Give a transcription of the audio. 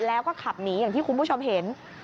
แล้วก็ขับหนีอย่างที่คุณผู้ชมเห็น